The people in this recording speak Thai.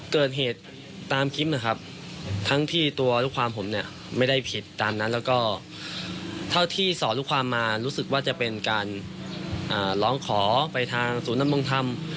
เกิดเหตุตามคลิปนะครับทั้งที่ตัวลูกความผมเนี่ยไม่ได้ผิดตามนั้นแล้วก็เท่าที่สอนลูกความมารู้สึกว่าจะเป็นการร้องขอไปทางศูนย์นำรงธรรม